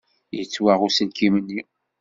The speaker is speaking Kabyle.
Yettwaɣ uselkim-nni.